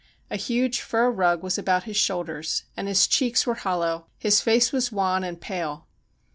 A huge fur rug was about his shoulders, and his cheeks were hollow, his face was wan and pale.